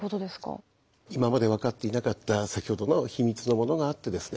今まで分かっていなかった先ほどの秘密のものがあってですね